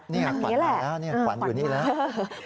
นี่แหละขวัญมาขวัญอยู่นี่แล้ว